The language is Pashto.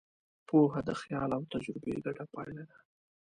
پوهه د خیال او تجربې ګډه پایله ده.